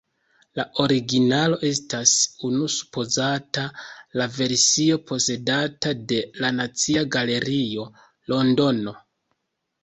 La originalo estas nune supozata la versio posedata de la Nacia Galerio, Londono.